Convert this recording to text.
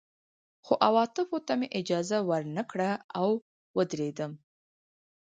خو عواطفو ته مې اجازه ور نه کړه او ودېردم